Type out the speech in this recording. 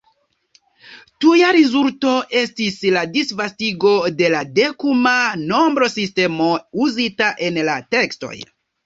Tuja rezulto estis la disvastigo de la dekuma nombrosistemo uzita en la tekstoj.